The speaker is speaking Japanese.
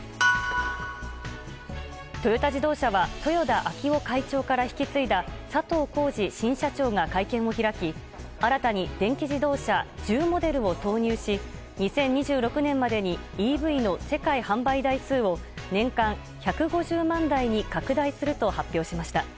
トヨタ自動車は豊田章男会長から引き継いだ佐藤恒治新社長が会見を開き新たに電気自動車１０モデルを投入し２０２６年までにＥＶの世界販売台数を年間１５０万台に拡大すると発表しました。